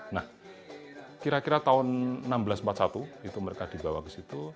nah kira kira tahun seribu enam ratus empat puluh satu itu mereka dibawa ke situ